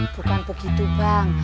bukan begitu bang